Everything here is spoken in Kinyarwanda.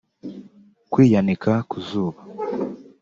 Kwiyanika ku zuba